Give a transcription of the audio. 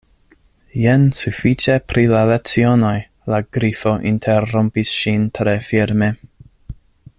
"Jen sufiĉe pri la lecionoj," la Grifo interrompis ŝin tre firme.